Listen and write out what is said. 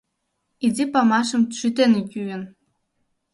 Изи памашым шӱтен йӱын